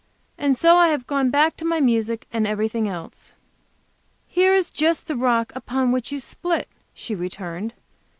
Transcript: "And so I have gone back to my music and everything else." "Here is just the rock upon which you split," she returned.